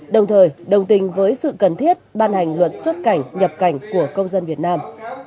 đồng thời đồng tình với sự cần thiết ban hành luật xuất cảnh nhập cảnh của công dân việt nam